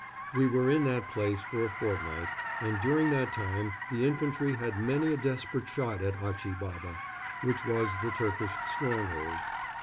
We were in that place for a fortnight, and during that time the infantry had many a desperate shot at Achi Baba, which was the Turkish stronghold.